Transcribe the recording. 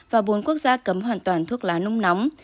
và bốn quốc gia cấm hoàn toàn thuốc lá nung nóng